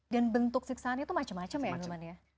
dan bentuk siksaannya itu macam macam ya emangnya ya